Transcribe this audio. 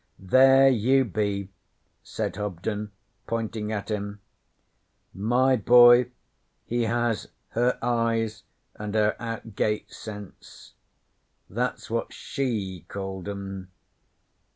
'There you be!' said Hobden, pointing at him. My boy he has her eyes and her out gate sense. That's what she called 'em!'